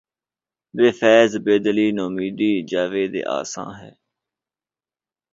بہ فیض بیدلی نومیدیٴ جاوید آساں ہے